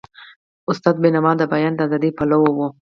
استاد بینوا د بیان د ازادی پلوی و.